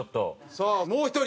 さあもう１人。